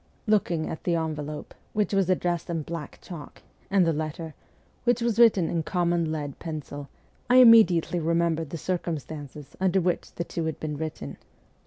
Looking at the envelope, which was addressed in black chalk, and the letter, which was written in common lead pencil, I immediately remembered the circumstances under which the two had been written.